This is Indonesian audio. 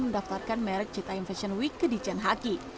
mendaftarkan merek cita m fashion week ke di cian haki